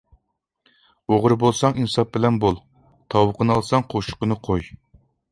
ئوغرى بولساڭ ئىنساپ بىلەن بول، تاۋىقىنى ئالساڭ قوشۇقىنى قوي.